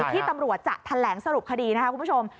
ที่ตำรวจจะแถลงสรุปคดีนะครับคุณผู้ชม